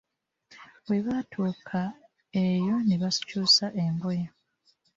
Bwe baatuuka eyo ne bakyusa engoye.